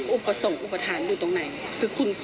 อุปสรรคอุปทานอยู่ตรงไหน